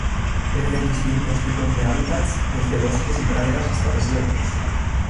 Crece en distintos tipos de hábitats, desde bosques y praderas hasta desiertos.